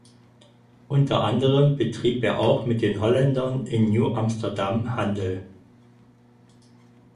Unter anderem betrieb er auch mit den Holländern in Nieuw Amsterdam Handel.